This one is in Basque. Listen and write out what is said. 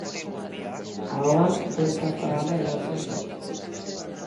Ahoan delta zabala eratzen du.